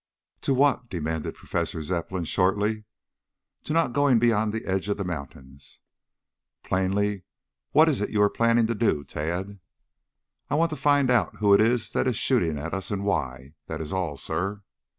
"To what?" demanded Professor Zepplin shortly. "To not going beyond the edge of the mountains." "Plainly, what is it you are planning to do, Tad?" "I want to find out who it is that is shooting at us and why. That is all, sir."